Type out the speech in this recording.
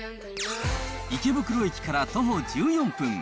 池袋駅から徒歩１４分。